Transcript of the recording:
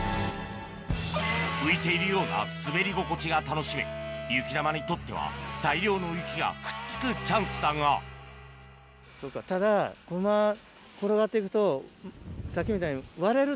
浮いているような滑り心地が楽しめ雪玉にとっては大量の雪がくっつくチャンスだがさっきみたいに。